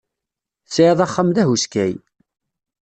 Tesɛid axxam d ahuskay.